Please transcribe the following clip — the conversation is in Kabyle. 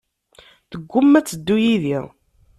Teggumma ad teddu yid-i.